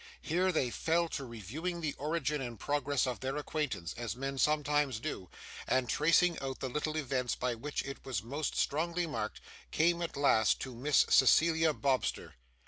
Here, they fell to reviewing the origin and progress of their acquaintance, as men sometimes do, and tracing out the little events by which it was most strongly marked, came at last to Miss Cecilia Bobster.